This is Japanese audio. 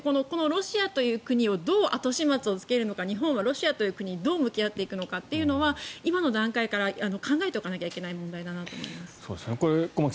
このロシアという国をどう後始末をつけるのか日本はロシアという国とどう向き合っていくのかは今の段階から考えておかなきゃいけない問題だと。